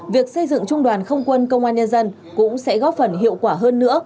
việc xây dựng trung đoàn không quân công an nhân dân cũng sẽ góp phần hiệu quả hơn nữa